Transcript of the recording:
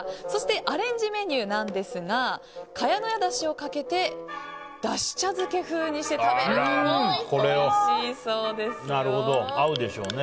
そしてアレンジメニューですが茅乃舎だしをかけてだし茶漬け風にして食べるのも、おいしいそうですよ。